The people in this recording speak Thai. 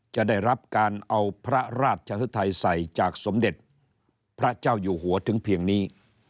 จะได้รับการเอาพระราชฮึทัยใส่จากสมเด็จพระเจ้าอยู่หัวถึงเพียงนี้